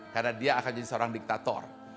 karena dia akan jadi seorang diktator